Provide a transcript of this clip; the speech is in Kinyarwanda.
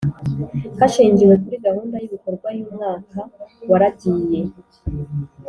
hashingiwe kuri gahunda y’ibikorwa y’umwaka waragiye